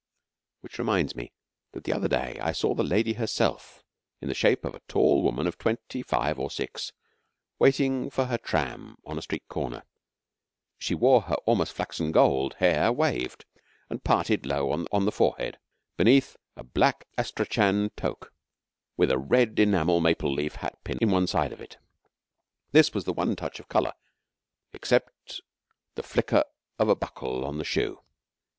Which reminds me that the other day I saw the Lady herself in the shape of a tall woman of twenty five or six, waiting for her tram on a street corner. She wore her almost flaxen gold hair waved, and parted low on the forehead, beneath a black astrachan toque, with a red enamel maple leaf hatpin in one side of it. This was the one touch of colour except the flicker of a buckle on the shoe.